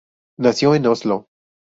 Nació en Oslo.